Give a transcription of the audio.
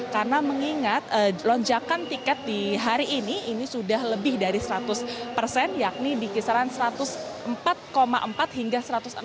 karena mengingat lonjakan tiket di hari ini sudah lebih dari seratus yakni di kisaran satu ratus empat empat hingga satu ratus enam enam